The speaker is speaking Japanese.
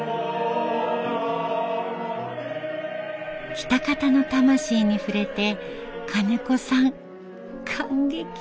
喜多方の魂に触れて金子さん感激。